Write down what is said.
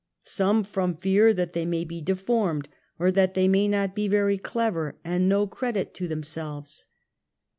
Some from fear that they may be deformed, or that they may not be very clever, and no credit to them UNMASKED. selves.